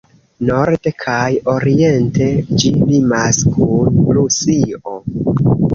Norde kaj oriente ĝi limas kun Rusio.